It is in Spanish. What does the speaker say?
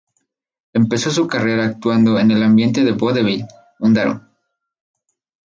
Empezó su carrera actuando en el ambiente del vodevil húngaro.